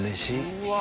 うわ！